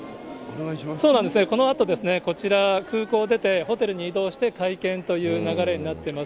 そうなんですね、このあとこちら、空港出て、ホテルに移動して会見という流れになってます。